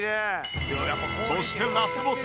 そしてラスボス！